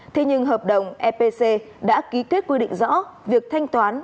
thế nhưng hợp đồng epc đã ký kết quy định rõ việc thanh toán